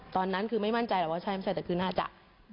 ตอนนั้นคือไม่มั่นใจหรอกว่าใช่ไม่ใช่แต่คือน่าจะ